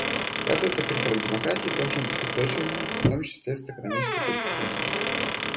Процессы перехода к демократии должны быть устойчивыми, в том числе с экономической точки зрения.